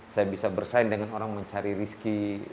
saya bisa bersaing dengan orang mencari rizki